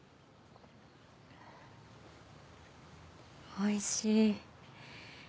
おいしい。